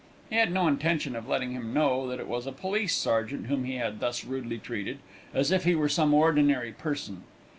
He had no intention of letting him know that it was a police sergeant whom he had thus rudely treated, as if he were some ordinary person.